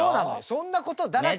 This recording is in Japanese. そんなことだらけです。